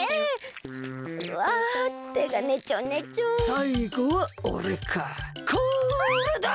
さいごはおれかこれだ！